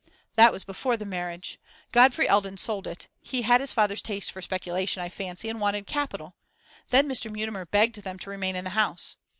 'That was before the marriage. Godfrey Eldon sold it; he had his father's taste for speculation, I fancy, and wanted capital. Then Mr. Mutimer begged them to remain in the house.